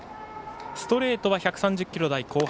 ストレートは１３０キロ台後半。